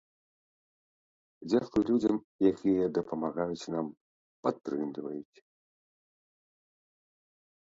Дзякуй людзям, якія дапамагаюць нам, падтрымліваюць.